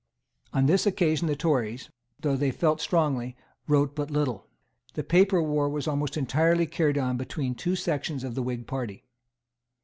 On this occasion the Tories, though they felt strongly, wrote but little. The paper war was almost entirely carried on between two sections of the Whig party.